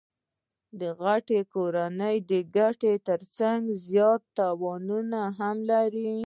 غټي کورنۍ د ګټو ترڅنګ زیات تاوانونه هم لري.